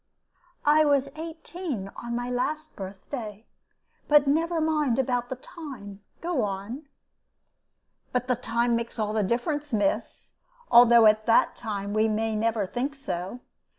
"I was eighteen on my last birthday. But never mind about the time go on." "But the time makes all the difference, miss, although at the time we may never think so.